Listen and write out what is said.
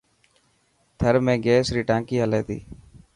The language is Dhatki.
ٿر ۾ گيس ري ٽانڪي هلي ٿي.